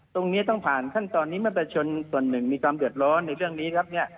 ต้องผ่านขั้นตอนนี้เมื่อประชาชนส่วนหนึ่งมีความเดือดร้อนในเรื่องนี้แล้วเนี่ย